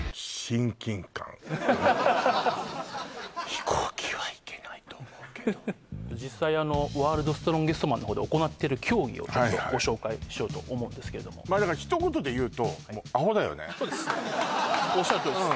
飛行機はいけないと思うけど実際あのワールドストロンゲストマンのほうで行ってる競技をちょっとご紹介しようと思うんですけれどもまあだからそうですおっしゃるとおりです